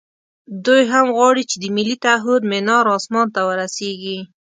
دوی هم غواړي چې د ملي تعهُد منار اسمان ته ورسېږي.